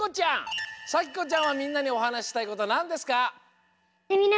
さきこちゃんはみんなにおはなししたいことはなんですか？